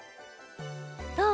どう？